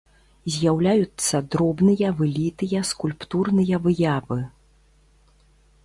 З'яўляюцца дробныя вылітыя скульптурныя выявы.